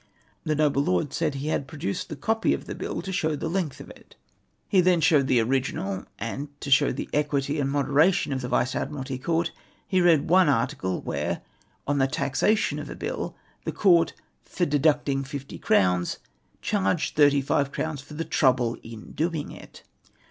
The noble lord said he had produced the copy of the bill to show the length of it. He then showed the original ; and to show the equity and moderation of the Vice Admiralty Court, he read one article where, on the taxation of a bill, the Court, for deducting fifty crowns, charged thirty five crowns for tlie trouble in doing it.